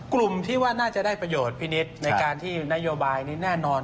กลุ่มที่ว่าน่าจะได้ประโยชน์พินิษฐ์ในการที่นโยบายนี้แน่นอน